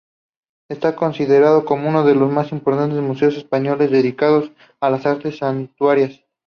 Está considerado uno de los más importantes museos españoles dedicados a las artes suntuarias.